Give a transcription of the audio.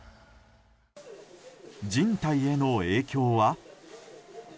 人体への影響は？